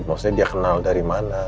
maksudnya dia kenal dari mana